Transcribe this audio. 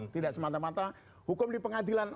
tidak semata mata hukum di pengadilan